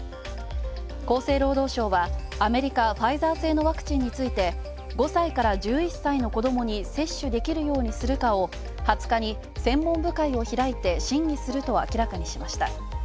厚生労働省はアメリカ・ファイザー製のワクチンについて５歳から１１歳の子どもに接種できるようにするかを２０日に専門部会を開いて審議すると明らかにしました。